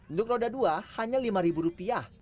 untuk roda dua hanya lima rupiah